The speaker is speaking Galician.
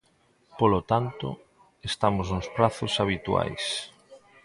Polo tanto, estamos nos prazos habituais.